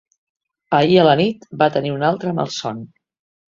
Ahir a la nit va tenir un altre malson.